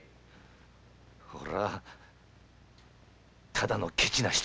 俺はただのケチな人殺しだ。